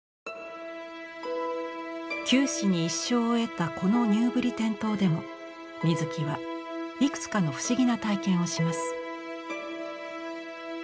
九死に一生を得たこのニューブリテン島でも水木はいくつかの不思議な体験をします。